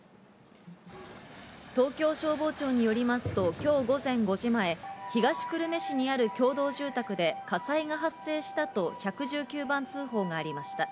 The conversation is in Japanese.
東京消防庁によりますと、今日午前５時前、東久留米市にある共同住宅で火災が発生したと１１９番通報がありました。